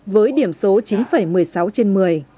với điểm số chín một mươi sáu trên một mươi